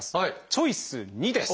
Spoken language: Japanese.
チョイス２です。